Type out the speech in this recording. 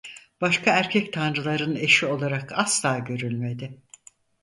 Başka erkek tanrıların eşi olarak asla görülmedi.